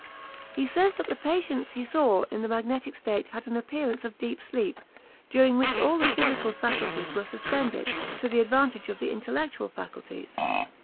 He says that the patients he saw in the magnetic state had an appearance of deep sleep, during which all the physical faculties were suspended, to the advantage of the intellectual faculties.